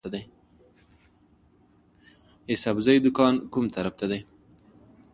د سبزۍ دکان کوم طرف ته دی؟